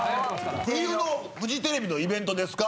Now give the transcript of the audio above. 冬のフジテレビのイベントですか？